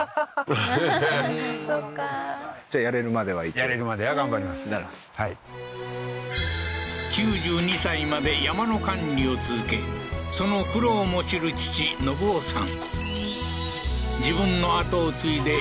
そっかなるほどはい９２歳まで山の管理を続けその苦労も知る父信雄さん